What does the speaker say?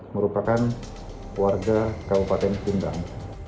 merupakan warga kabupaten pindang